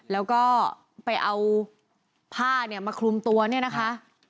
แล้วก็ไปเอาผ้าเนี่ยมาคลุมตัวเนี่ยนะคะ